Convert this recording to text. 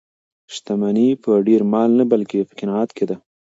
شتمني په ډېر مال نه بلکې په قناعت کې ده.